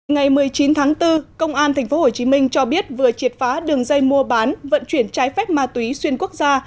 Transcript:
ngày một mươi chín tháng bốn công an tp hcm cho biết vừa triệt phá đường dây mua bán vận chuyển trái phép ma túy xuyên quốc gia